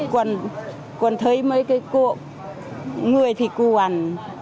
cô ăn cô ăn thấy mấy cái cụ người thì cô ăn